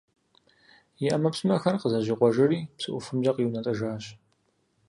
И Ӏэмэпсымэхэр къызэщӀикъуэжри, псы ӀуфэмкӀэ къиунэтӀыжащ.